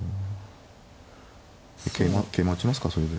桂馬打ちますかそれで。